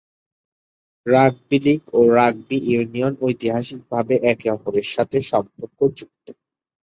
Rugby league ও rugby union ঐতিহাসিকভাবে একে-অপরের সাথে সম্পর্কযুক্ত।